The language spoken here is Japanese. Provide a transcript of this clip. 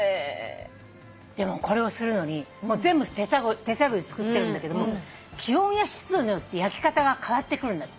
でもこれをするのに全部手探りで作ってるんだけど気温や湿度によって焼き方が変わってくるんだって。